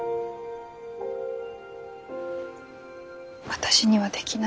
私にはできない。